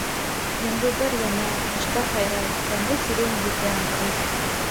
Йондоҙҙар яна, ҡоштар һайрай, тәмле сирень еҫе аңҡый...